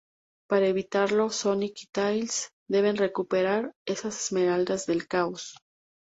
Para evitarlo, Sonic y Tails deben recuperar esas Esmeraldas del Caos.